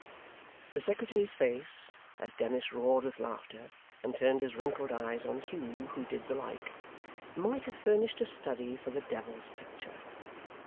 The secretary's face, as Dennis roared with laughter, and turned his wrinkled eyes on Hugh who did the like, might have furnished a study for the devil's picture.